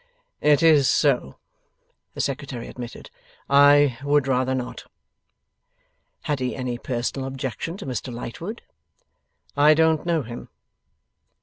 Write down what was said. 'It is so,' the Secretary admitted. 'I would rather not.' Had he any personal objection to Mr Lightwood? 'I don't know him.